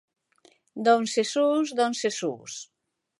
_Don Xesús, don Xesús: